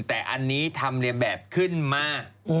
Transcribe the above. แต่อันนี้ทำเรียนแบบขึ้นมาก